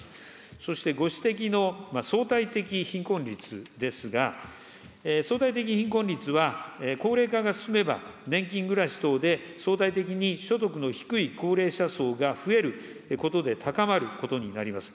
そして、ご指摘の相対的貧困率ですが、相対的貧困率は高齢化が進めば、年金暮らし等で、相対的に所得の低い高齢者層が増えることで高まることになります。